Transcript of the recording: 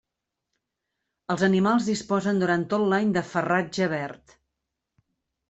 Els animals disposen durant tot l'any de farratge verd.